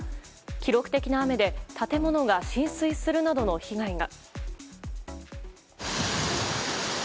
記録的な雨で建物が浸水するなどの被害が。